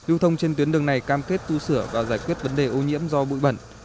lưu thông trên tuyến đường này cam kết tu sửa và giải quyết vấn đề ô nhiễm do bụi bẩn